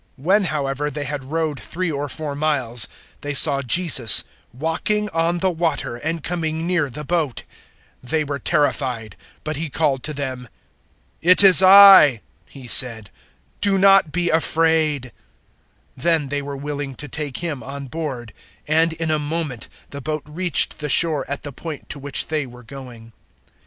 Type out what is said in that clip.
006:019 When, however, they had rowed three or four miles, they saw Jesus walking on the water and coming near the boat. 006:020 They were terrified; but He called to them. "It is I," He said, "do not be afraid." 006:021 Then they were willing to take Him on board; and in a moment the boat reached the shore at the point to which they were going.